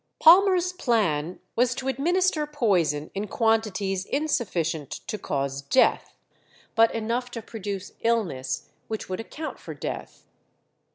Palmer's plan was to administer poison in quantities insufficient to cause death, but enough to produce illness which would account for death.